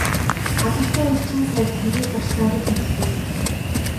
Хатагтай элчин сайд таны зарц нарыг танилцуулъя.